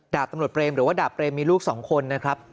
ด่าปรับเปรมหรือว่าด่าเปรมมีลูก๒คนนะครับ